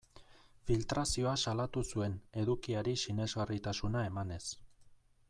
Filtrazioa salatu zuen, edukiari sinesgarritasuna emanez.